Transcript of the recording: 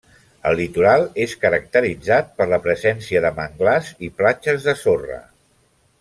El litoral és caracteritzat per la presència de manglars i platges de sorra.